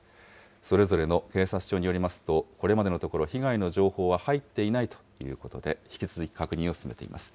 それぞれの警察署によりますと、これまでのところ、被害の情報は入っていないということで、引き続き確認を進めています。